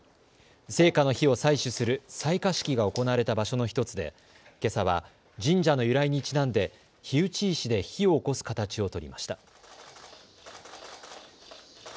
聖火の火を採取する採火式が行われた場所の１つでけさは神社の由来にちなんで火打ち石で火をおこす形を取りました。